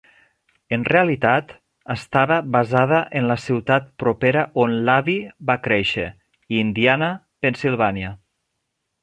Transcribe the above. En realitat estava basada en la ciutat propera on l'Abbey va créixer, Indiana, Pennsylvania.